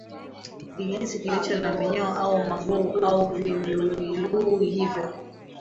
kinyesi kilicho na minyoo au mabuu au viluwiluwi hivyo